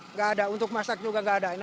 nggak ada untuk masak juga nggak ada